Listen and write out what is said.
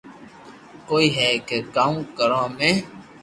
ڪوئي ھي ڪي ڪاو ڪرو امي